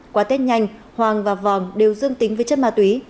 qua tết nhanh hoàng và vòng đều dương tính với chất ma túy